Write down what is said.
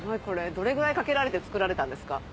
どれぐらいかけられて作られたんですか？